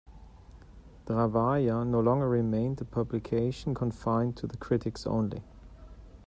The Ravaya no longer remained a publication confined to the critics only.